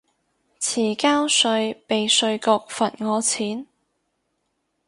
遲交稅被稅局罰我錢